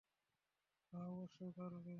হু, অবশ্যই পারবে।